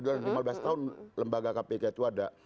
dalam lima belas tahun lembaga kpk itu ada